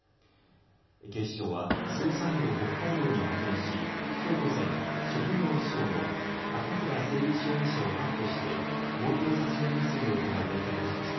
警視庁は捜査員を北海道に派遣しきょう午前、職業不詳の赤平誠一容疑者を確保して強盗殺人未遂の疑いで逮捕しました。